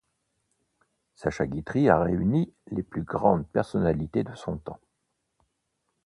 Sacha Guitry a réuni, les plus grandes personnalités de son temps.